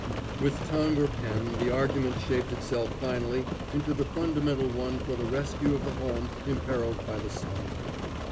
With tongue or pen, the argument shaped itself finally into the fundamental one for the rescue of the home imperiled by the slum.